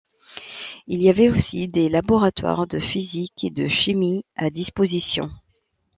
Il y avait aussi des laboratoires de physique et de chimie à disposition.